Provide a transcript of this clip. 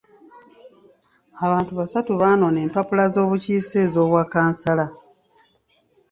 Abantu basatu baanona empapula z'obukiise ez'obwa kansala.